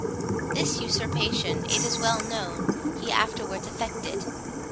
This usurpation, it is well known, he afterwards effected.